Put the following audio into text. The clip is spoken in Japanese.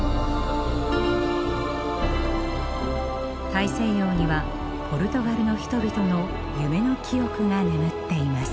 大西洋にはポルトガルの人々の夢の記憶が眠っています。